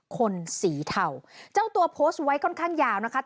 คนสีเทาเจ้าตัวโพสต์ไว้ค่อนข้างยาวนะคะ